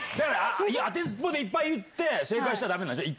当てずっぽでいっぱい言って正解してもダメでしょ？